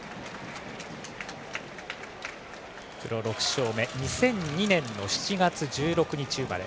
プロ６勝目２００２年の７月１６日生まれ。